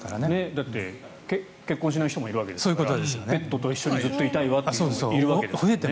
だって、結婚しない人もいるわけですからペットと一緒にずっといたいという人もいますから。